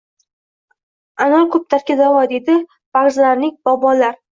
“Anor ko‘p dardga da’vo” deydi varganzalik bog‘bonlarng